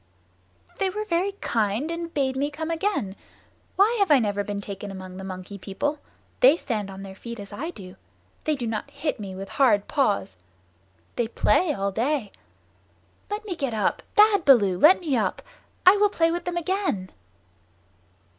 "They were very kind and bade me come again. Why have I never been taken among the Monkey People? They stand on their feet as I do. They do not hit me with their hard paws. They play all day. Let me get up! Bad Baloo, let me up! I will play with them again."